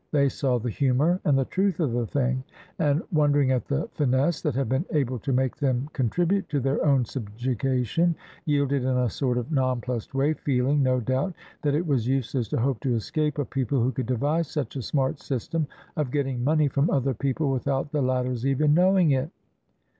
They saw the humor and the truth of the thing, and, wonder ing at the finesse that had been able to make them con tribute to their own subjugation, yielded in a sort of nonplussed way, feeling, no doubt, that it was useless to hope to escape a people who could devise such a smart system of getting money from other people with out the latter's even knowing it.